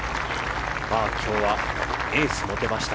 今日はエースも出ました